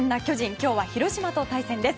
今日は広島と対戦です。